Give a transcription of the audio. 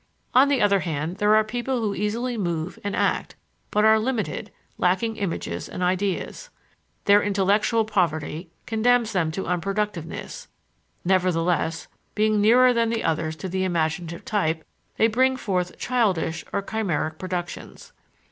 On the other hand, there are people who easily move and act, but are limited, lacking images and ideas. Their intellectual poverty condemns them to unproductiveness; nevertheless, being nearer than the others to the imaginative type, they bring forth childish or chimerical productions.